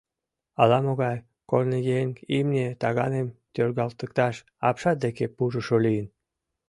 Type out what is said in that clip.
— Ала-могай корныеҥ, имне таганым тӧргалтыкташ апшат деке пурышо лийын.